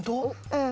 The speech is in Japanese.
うん。